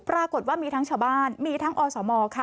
ปรากฏว่ามีทั้งชาวบ้านมีทั้งอสมค่ะ